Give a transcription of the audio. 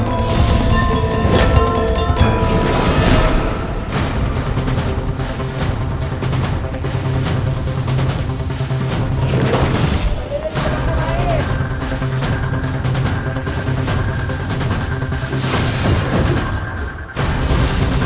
aku akan menemukanmu